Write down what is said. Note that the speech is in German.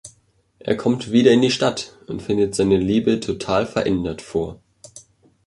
Er kommt wieder in die Stadt und findet seine Liebe total verändert vor.